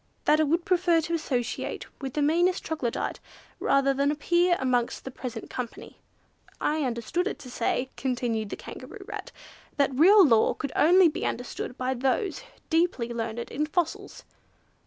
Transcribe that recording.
That it would prefer to associate with the meanest Troglodite, rather than appear amongst the present company. I understood it to say," continued the Kangaroo Rat, "that real law could only be understood by those deeply learned in fossils."